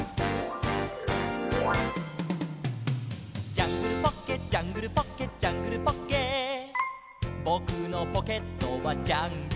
「ジャングルポッケジャングルポッケ」「ジャングルポッケ」「ぼくのポケットはジャングルだ」